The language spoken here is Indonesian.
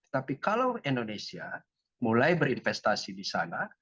tapi kalau indonesia mulai berinvestasi di sana